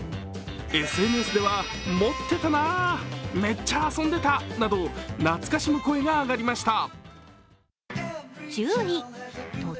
ＳＮＳでは、持ってたな、めっちゃ遊んでたなど懐かしむ声が上がりました。